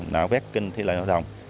nạo vét kinh thủy lệ nội đồng